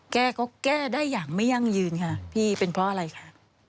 แก้ก็แก้ได้อย่างไม่ยั่งยืนค่ะพี่เป็นเพราะอะไรคะ